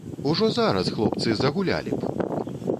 Ужо зараз хлопцы загулялі б!